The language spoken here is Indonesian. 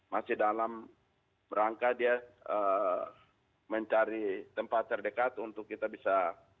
masih dalam rangka dia mencari tempat terdekat untuk kita bisa